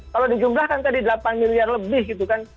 kalau di jumlahkan tadi delapan miliar lebih gitu kan